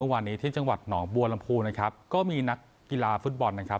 วันนี้ที่จังหวัดหนองบัวลำพูนะครับก็มีนักกีฬาฟุตบอลนะครับ